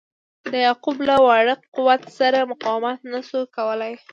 د یعقوب له واړه قوت سره مقاومت نه سو کولای.